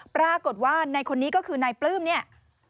ปรากฏว่าในคนนี้ก็คือนายปลื้มเนี่ย